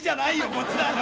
こっちだ！